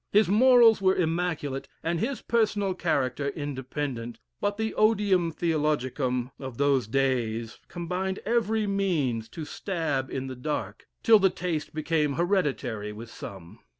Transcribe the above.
His morals were immaculate, and his personal character independent; but the odium theologicum of those days combined every means to stab in the dark, till the taste became hereditary with some.